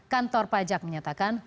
kantor pajak menyatakan